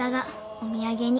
お土産に。